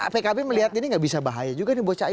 pkb melihat ini gak bisa bahaya juga nih bu caim